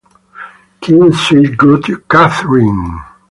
Kind, sweet, good Catherine!